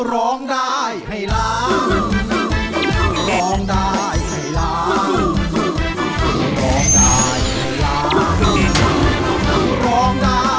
ร้องได้ให้ล้าง